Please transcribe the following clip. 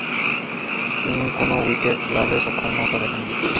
তিনি কোন উইকেট লাভে সক্ষমতা দেখাননি।